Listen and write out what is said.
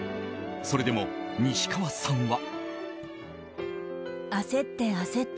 それでも、西川さんは。